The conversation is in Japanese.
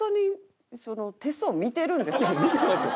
いや見てますよ！